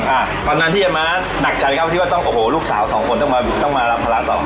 อ่าตอนนั้นที่ยายม้าหนักใจครับที่ว่าต้องโอ้โหลูกสาวสองคนต้องมาต้องมารับภาระต่อ